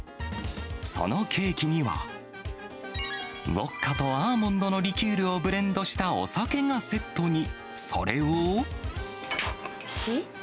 そのケーキには、ウオッカとアーモンドのリキュールをブレンドしたお酒がセットに。